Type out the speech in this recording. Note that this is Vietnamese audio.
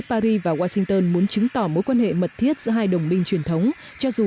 paris và washington muốn chứng tỏ mối quan hệ mật thiết giữa hai đồng minh truyền thống cho dù